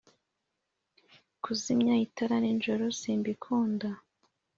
kuzimya itara nijoro simbikunda